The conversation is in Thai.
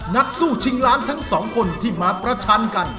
นักสู้ชิงล้านทั้งสองคนที่มาประชันกัน